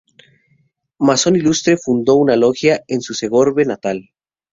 Masón ilustre, fundó una logia en su Segorbe natal.